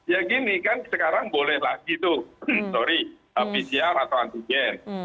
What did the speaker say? ya gini kan sekarang boleh lagi tuh sorry pcr atau antigen